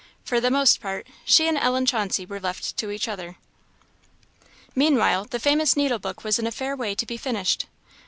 For the most part, she and Ellen Chauncey were left to each other. Meanwhile the famous needlebook was in a fair way to be finished.